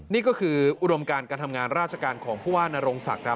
นี่ก็คืออุดมการการทำงานราชการของผู้ว่านรงศักดิ์ครับ